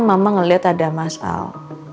mama ngeliat ada mas al